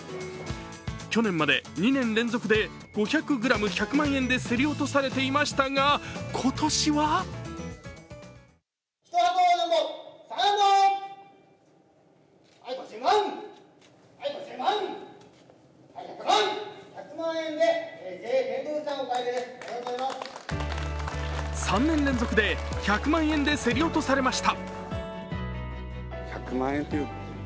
去年まで２年連続で５００ｇ１００万円で競り落とされていましたが、今年は３年連続で１００万円で競り落とされました。